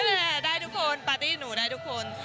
แหละได้ทุกคนปาร์ตี้หนูได้ทุกคน